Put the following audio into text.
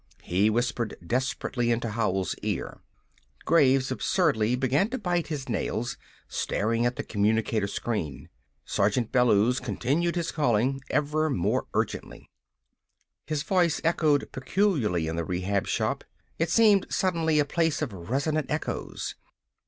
He whispered desperately into Howell's ear. Graves absurdly began to bite his nails, staring at the communicator screen. Sergeant Bellews continued his calling, ever more urgently. His voice echoed peculiarly in the Rehab Shop. It seemed suddenly a place of resonant echoes.